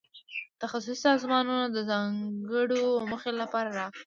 تخصصي سازمانونه د ځانګړو موخو لپاره راغلي.